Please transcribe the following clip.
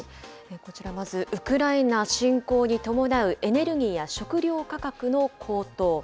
こちら、まず、ウクライナ侵攻に伴うエネルギーや食料価格の高騰。